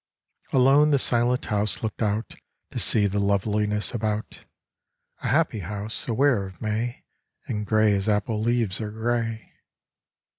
Alone the silent house looked out To see the loveliness about, A happy house, aware of May, And gray as apple leaves are gray.